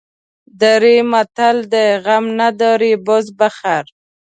دري متل دی: غم نداری بز بخر.